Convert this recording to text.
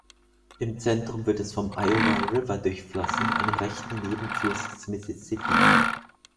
Im Zentrum wird es vom Iowa River durchflossen, einem rechten Nebenfluss des Mississippi.